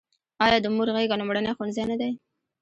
آیا د مور غیږه لومړنی ښوونځی نه دی؟